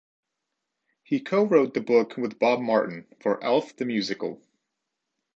He co-wrote the book, with Bob Martin, for "Elf the Musical".